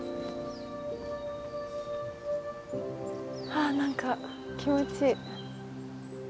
ああ何か気持ちいい。